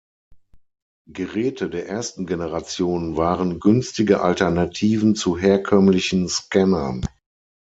Geräte der ersten Generation waren günstige Alternativen zu herkömmlichen Scannern.